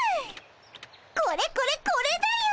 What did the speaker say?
これこれこれだよ！